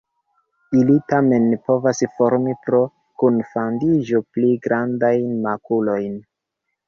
Ili tamen povas formi pro kunfandiĝo pli grandajn makulojn.